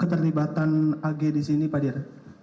keterlibatan ag di sini pak dir